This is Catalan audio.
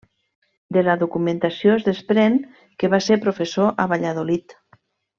De la documentació es desprén que va ser professor a Valladolid.